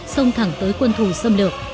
xông thẳng tới quân thủ xâm lược